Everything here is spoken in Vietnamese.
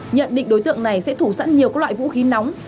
nhận định đối tượng này sẽ thủ sẵn nhiều các loại vũ khí nóng